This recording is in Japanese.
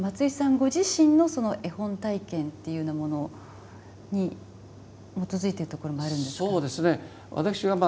ご自身の絵本体験というものに基づいてるところもあるんですか？